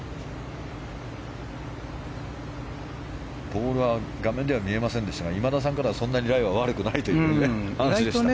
ボールは画面では見えませんでしたが今田さんからは、そんなにライは悪くないというお話でした。